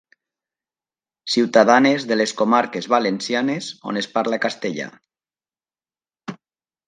Ciutadanes de les comarques valencianes on es parla castellà.